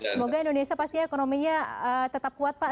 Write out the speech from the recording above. semoga indonesia pasti ekonominya tetap kuat pak